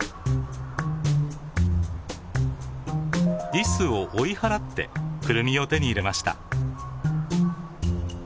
リスを追い払ってクルミを手に入れました。